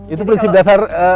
itu prinsip dasar